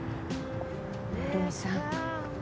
留美さん。